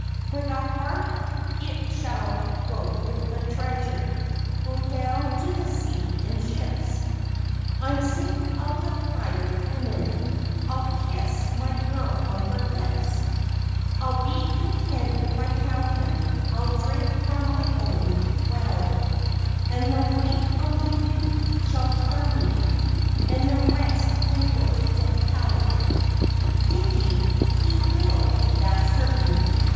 For the heart it shall go with the treasure go down to the sea in ships. I'm sick of the hired women I'll kiss my girl on her lips! I'll be content with my fountain, I'll drink from my own well, And the wife of my youth shall charm me an' the rest can go to Hell! (Dickie, he will, that's certain.)